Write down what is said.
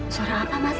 suara apa mas